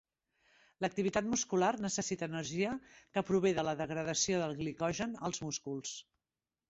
L'activitat muscular necessita energia que prové de la degradació del glicogen als músculs.